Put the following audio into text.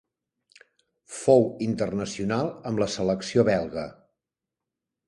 Fou internacional amb la selecció belga.